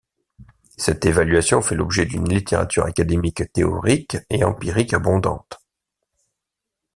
Cette évaluation fait l’objet d’une littérature académique théorique et empirique abondante.